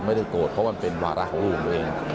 ไม่ได้โกรธเพราะมันเป็นวาระของลูกผมเอง